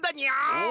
お！